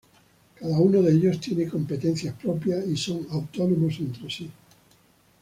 Cada uno de ellos tiene competencias propias y son autónomos entre sí.